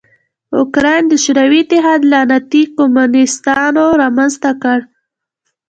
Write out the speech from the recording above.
اوکراین د شوروي اتحاد لعنتي کمونستانو رامنځ ته کړ.